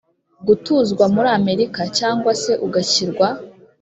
gutuzwa muri Amerika Cyangwa se ugashyirwa